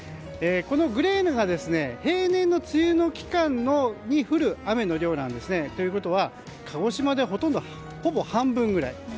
グレーの部分が平年の梅雨の期間に降る雨の量なんですね。ということは、鹿児島でほぼ半分ぐらい。